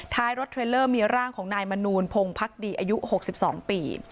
ท้ายรถเทรลเลอร์มีร่างของนายมนูลพงภักดีอายุ๖๒ปี